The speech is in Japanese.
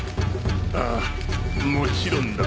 ああもちろんだ。